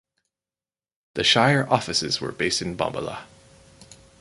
The shire offices were based in Bombala.